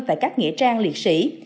tại các nghĩa trang liệt sĩ